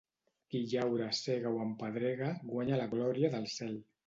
Qui llaura, sega o espedrega guanya la glòria del cel.